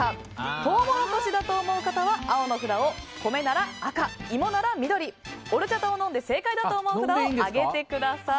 トウモロコシだと思う方は青の札を米なら赤、芋なら緑オルチャタを飲んで正解だと思う札を上げてください。